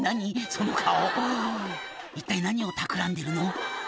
その顔一体何をたくらんでるの？